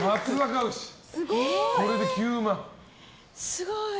すごい！